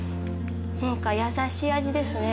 何か優しい味ですね。